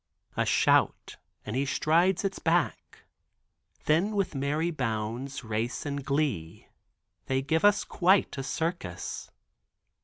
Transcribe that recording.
A shout and he strides its back, then with merry bounds, race and glee, they give us quite a circus.